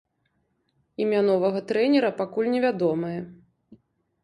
Імя новага трэнера пакуль невядомае.